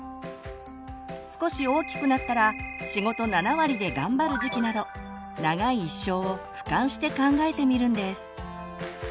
少し大きくなったら仕事７割で頑張る時期など長い一生をふかんして考えてみるんです。